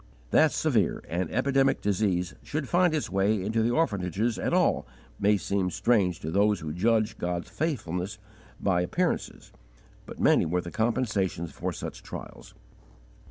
That severe and epidemic disease should find its way into the orphanages at all may seem strange to those who judge God's faithfulness by appearances, but many were the compensations for such trials.